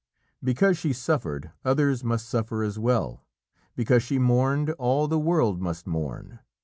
Because she suffered, others must suffer as well. Because she mourned, all the world must mourn.